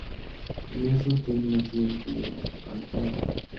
En eso, tienen un accidente y el auto cae a un lago.